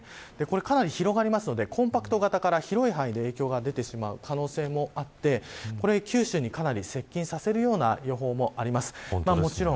かなり広がるのでコンパクト型から広い範囲で影響が出てしまう可能性もあって九州に、かなり接近させるような予報もあります。